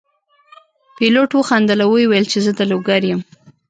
پیلوټ وخندل او وویل چې زه د لوګر یم.